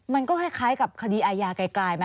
มันก็คล้ายกับคดีอายาไกลไหม